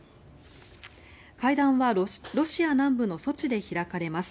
会談はロシア南部のソチで開かれます。